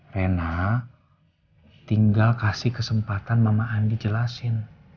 rena tinggal kasih kesempatan mama andi jelasin